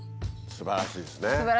すばらしいですね。